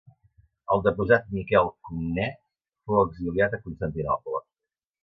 El deposat Miquel Comnè fou exiliat a Constantinoble.